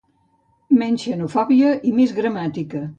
Menys xenofòbia i més gramàtica